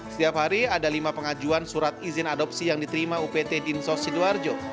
setiap hari ada lima pengajuan surat izin adopsi yang diterima upt dinsos sidoarjo